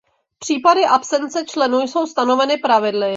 Případy absence členu jsou stanoveny pravidly.